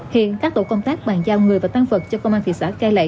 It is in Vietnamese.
hiện các tổ công tác bàn giao người và tăng vật cho công an thị xã cai lạy